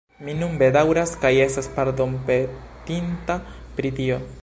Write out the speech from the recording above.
Mi nun bedaŭras kaj estas pardonpetinta pri tio.